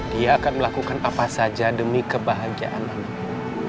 dia akan melakukan apa saja demi kebahagiaan anakku